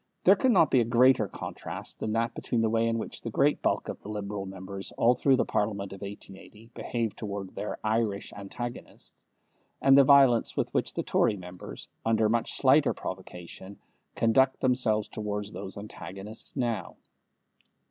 There could not be a greater contrast than that between the way in which the great bulk of the Liberal members all through the Parliament of 1880 behaved towards their Irish antagonists, and the violence with which the Tory members, under much slighter provocation, conduct themselves towards those antagonists now.